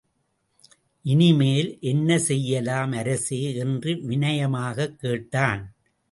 இனி மேல் என்ன செய்யலாம் அரசே! என்று விநயமாகக் கேட்டான்.